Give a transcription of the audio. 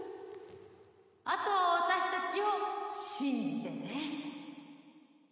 あとは私たちを信じてね。